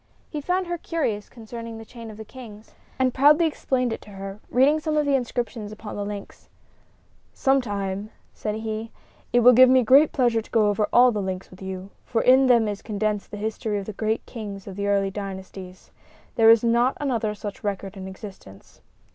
He found her curious concerning the chain of the kings, and proudly explained it to her, reading some of the inscriptions upon the links. "Some time," said he, "it will give me pleasure to go over all the links with you, for in them is condensed the history of the great kings of the early dynasties. There is not another such record in existence."